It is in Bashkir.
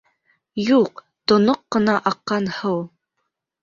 Юҡ, тоноҡ ҡына аҡҡан һыу!